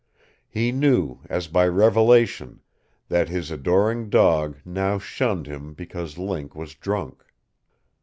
He knew, as by revelation, that his adoring dog now shunned him because Link was drunk.